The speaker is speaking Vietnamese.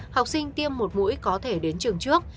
học sinh tiêm một mũi có thể đến trường trước